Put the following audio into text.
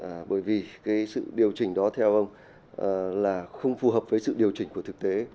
và bởi vì cái sự điều chỉnh đó theo ông là không phù hợp với sự điều chỉnh của thực tế